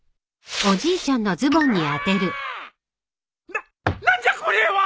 なっ何じゃこれは！？